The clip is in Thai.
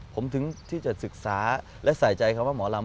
ผมถึงที่จะศึกษาและใส่ใจคำว่าหมอลำ